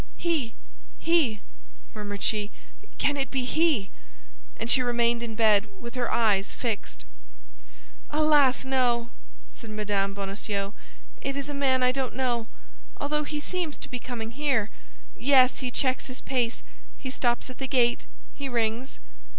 "He, he!" murmured she; "can it be he?" And she remained in bed with her eyes fixed. "Alas, no!" said Mme. Bonacieux; "it is a man I don't know, although he seems to be coming here. Yes, he checks his pace; he stops at the gate; he rings."